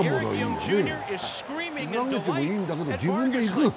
投げてもいいんだけど、自分で行く。